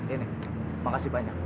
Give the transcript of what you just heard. ini makasih banyak